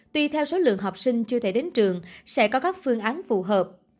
tuy theo số lượng học sinh chưa thể đến trường sẽ có các phương án phù hợp